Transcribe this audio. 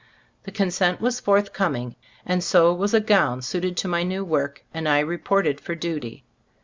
The consent was forthcoming, and so was a gown suited to my new work, and I reported for duty.